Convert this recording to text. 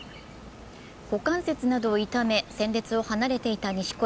股関節などを痛め、戦列を離れていた錦織。